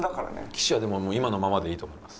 岸はでも今のままでいいと思います。